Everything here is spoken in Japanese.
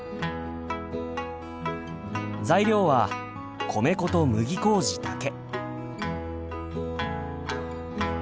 材料は米粉と麦麹だけ。